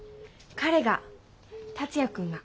彼が達也君が。